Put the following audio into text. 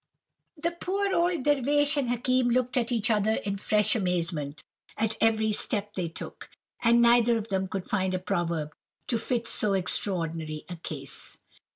"The poor old Dervish and Hakim looked at each other in fresh amazement at every step they took, and neither of them could find a proverb to fit so extraordinary a case.